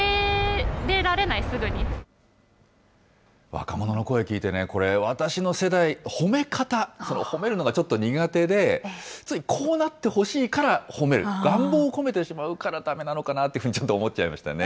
若者の声聞いて、これ、私の世代、褒め方、褒めるのがちょっと苦手で、ついこうなってほしいから褒める、願望を込めてしまうからだめなのかなというふうにちょっと思っちゃいましたね。